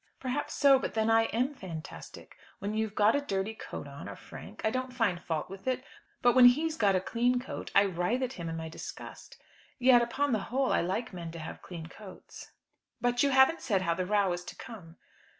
"Perhaps so but then I am fantastic. When you've got a dirty coat on, or Frank, I don't find fault with it; but when he's got a clean coat, I writhe at him in my disgust. Yet, upon the whole, I like men to have clean coats." "But you haven't said how the row is to come."